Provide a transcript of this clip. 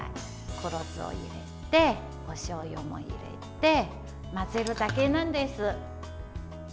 黒酢を入れておしょうゆも入れて混ぜるだけなんです。